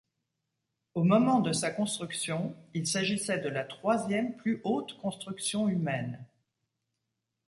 Au moment de sa construction, il s'agissait de la troisième plus haute construction humaine.